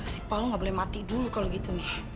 si paulo gak boleh mati dulu kalau gitu nih